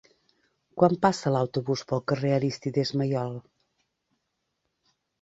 Quan passa l'autobús pel carrer Arístides Maillol?